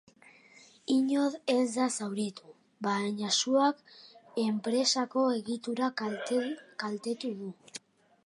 Inor ez da zauritu, baina suak enpresako egitura kaltetu du.